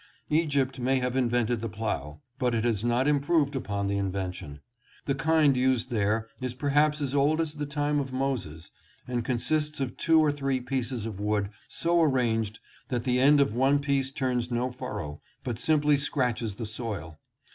Egypt may have invented the plow, but it has not improved upon the invention. The kind used there is perhaps as old as the time of Moses, and consists of two or three pieces of wood so arranged that the end of one piece turns no furrow, but simply scratches the soil.